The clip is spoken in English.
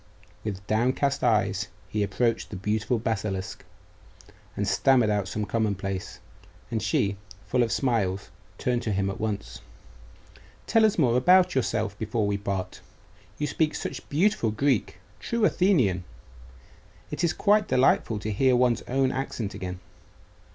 With downcast eyes he approached the beautiful basilisk, and stammered out some commonplace; and she, full of smiles, turned to him at once. 'Tell us more about yourself before we part. You speak such beautiful Greek true Athenian. It is quite delightful to hear one's own accent again.